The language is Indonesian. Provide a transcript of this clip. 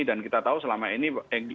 dan kita tahu selama ini